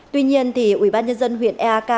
tuy nhiên thì ubnd huyện aek